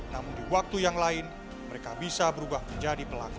namun di waktu yang lain mereka bisa berubah menjadi pelaku